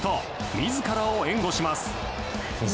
自らを援護します。